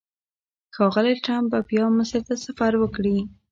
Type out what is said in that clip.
ښاغلی ټرمپ به بیا مصر ته سفر وکړي.